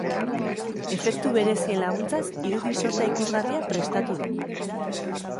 Efektu berezien laguntzaz, irudi sorta ikusgarria prestatu du.